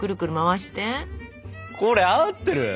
これ合ってる？